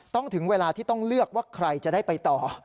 ถึงเวลาที่ต้องเลือกว่าใครจะได้ไปต่อ